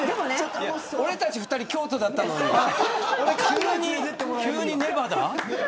俺たち２人京都だったのに急にネバダ。